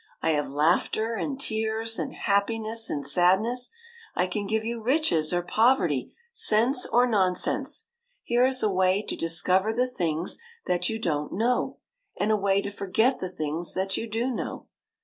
I have laughter and tears and happiness and sadness ; I can give you riches or poverty, sense or nonsense ; here is a way to discover the things that you don't know, and a way to forget the things that you do know.